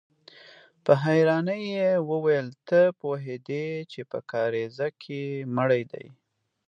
په حيرانۍ يې وويل: ته پوهېدې چې په کاريزه کې مړی دی؟